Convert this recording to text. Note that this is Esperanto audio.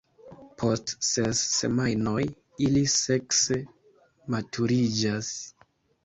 Post ses semajnoj ili sekse maturiĝas.